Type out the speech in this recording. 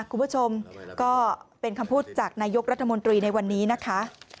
คุณผู้ชมก็เป็นคำพูดจากนายกรัฐมนตรีในวันนี้นะคะ